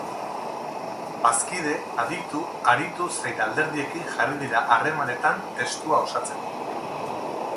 Bazkide, aditu, aritu zein alderdiekin jarri dira harremanetan testua osatzeko.